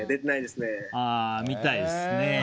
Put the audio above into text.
見たいですね。